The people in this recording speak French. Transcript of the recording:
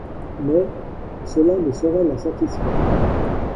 Mais, cela ne saurait la satisfaire.